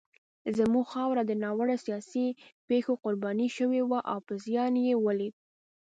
زموږ خاوره د ناوړه سیاسي پېښو قرباني شوې وه او زیان یې ولید.